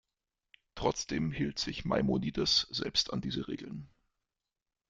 Trotzdem hielt sich Maimonides selbst an diese Regeln.